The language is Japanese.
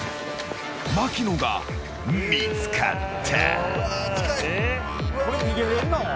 槙野が見つかった。